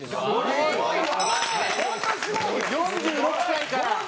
４６歳から。